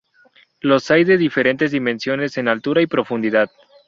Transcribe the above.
Los hay de diferentes dimensiones en altura y profundidad.